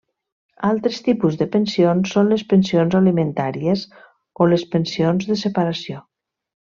Altres tipus de pensions són les pensions alimentàries o les pensions de separació.